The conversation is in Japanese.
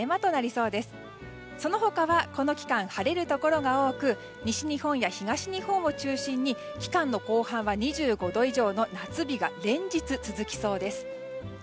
その他はこの期間、晴れるところが多く西日本や東日本を中心に期間の後半は２５度以上の夏日が連日、続きそうです。